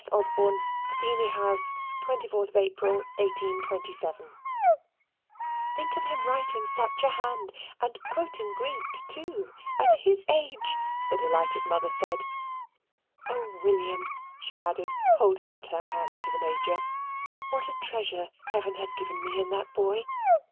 Osborne Athene House, 24 April, 1827 "Think of him writing such a hand, and quoting Greek too, at his age," the delighted mother said. "Oh, William," she added, holding out her hand to the Major, "what a treasure Heaven has given me in that boy!